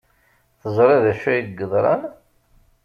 Teẓra d acu ay yeḍran.